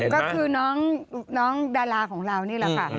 ก็คือน้องดาราของเรานี่แหละค่ะ